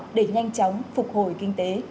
và làm thế nào để nhanh chóng phục hồi kinh tế